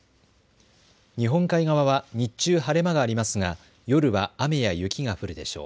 日本海側は日中晴れ間がありますが夜は雨や雪が降るでしょう。